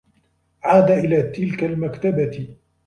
عاد إلى تلك المكتبة.